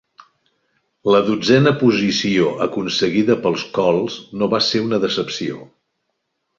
La dotzena posició aconseguida pels Colts no va ser una decepció.